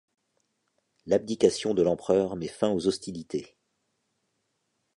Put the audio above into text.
L'abdication de l'Empereur met fin aux hostilités.